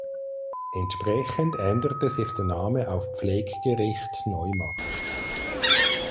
Entsprechend änderte sich der Name auf Pfleggericht Neumarkt.